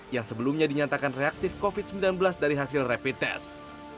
yang sebelumnya dinyatakan reaktif covid sembilan belas dari hasil rapid test